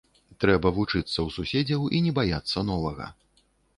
Трэба вучыцца ў суседзяў і не баяцца новага.